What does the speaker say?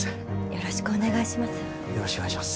よろしくお願いします。